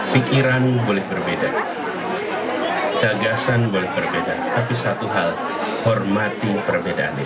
pikiran boleh berbeda gagasan boleh berbeda tapi satu hal hormati perbedaan ini